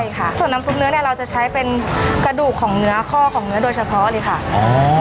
ใช่ค่ะส่วนน้ำซุปเนื้อเนี่ยเราจะใช้เป็นกระดูกของเนื้อข้อของเนื้อโดยเฉพาะเลยค่ะ